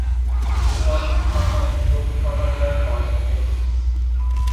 He was a son of a troop commander called Seti.